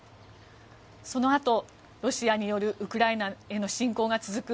そのあと、ロシアによるウクライナへの侵攻が続く